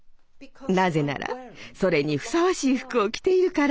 なぜならそれにふさわしい服を着ているから！